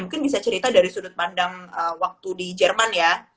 mungkin bisa cerita dari sudut pandang waktu di jerman ya